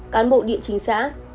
cán bộ địa chính xã